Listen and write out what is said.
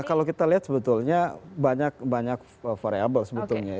kalau kita lihat sebetulnya banyak banyak variabel sebetulnya